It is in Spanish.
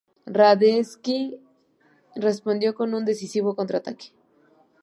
Radetzky respondió con un decisivo contraataque.